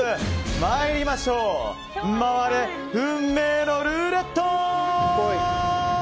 参りましょう回れ、運命のルーレット！